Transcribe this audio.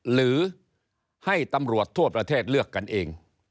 หรือให้ตำรวจทั่วประเทศเลือกกันเอง